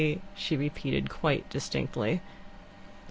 she repeated, quite distinctly.